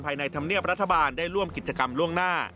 ในธรรมเนียบรัฐบาลได้ร่วมกิจกรรมล่วงหน้า